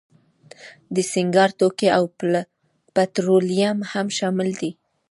د سینګار توکي او پټرولیم هم شامل دي.